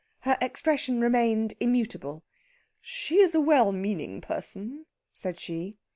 Her expression remained immutable. "She is a well meaning person," said she.